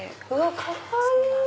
かわいい！